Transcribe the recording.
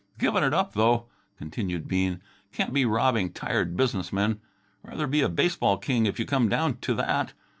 "Given it up, though," continued Bean. "Can't be robbing tired business men. Rather be a baseball king if you come down to that.